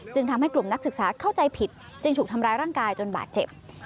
ทำให้กลุ่มนักศึกษาเข้าใจผิดจึงถูกทำร้ายร่างกายจนบาดเจ็บ